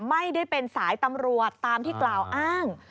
ไม่ได้เป็นสายตำรวจตามที่กล่าวอ้าง